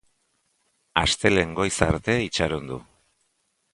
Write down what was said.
Astelehen goiz arte itxaron du.